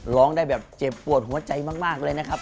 ร้องได้แบบเจ็บปวดหัวใจมากเลยนะครับ